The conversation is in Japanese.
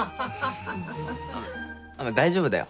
大丈夫だよ。